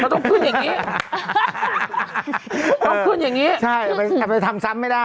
ฮ่าต้องขึ้นอย่างนี้ใช่มันไปทำซ้ำไม่ได้